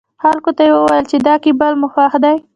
خلکو ته يې ويل چې دا کېبل مو خوښ دی.